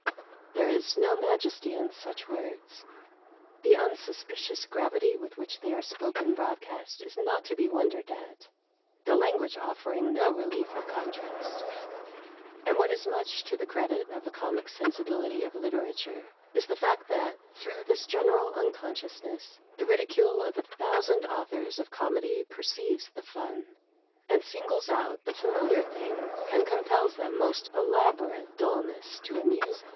There is no majesty in such words. The unsuspicious gravity with which they are spoken broadcast is not to be wondered at, the language offering no relief of contrast; and what is much to the credit of the comic sensibility of literature is the fact that, through this general unconsciousness, the ridicule of a thousand authors of comedy perceives the fun, and singles out the familiar thing, and compels that most elaborate dulness to amuse us.